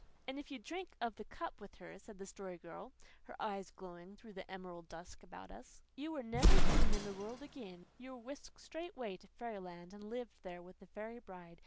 "And if you drank of the cup with her," said the Story Girl, her eyes glowing through the emerald dusk about us, "you were never seen in the world again; you were whisked straightway to fairyland, and lived there with a fairy bride.